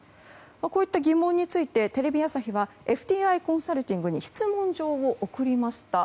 こういった疑問についてテレビ朝日はＦＴＩコンサルティングに質問状を送りました。